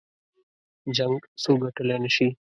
جـنګ څوك ګټلی نه شي